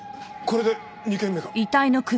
これで２件目か。